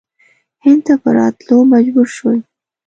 هند ته په راتللو مجبور شول.